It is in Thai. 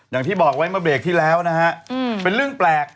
อย่างที่บอกไว้เมื่อเบรกที่แล้วนะฮะเป็นเรื่องแปลก